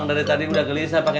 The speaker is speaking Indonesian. nanti kita ke sana